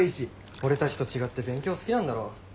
俺たちと違って勉強好きなんだろう。